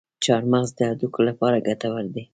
چارمغز د هډوکو لپاره ګټور دی.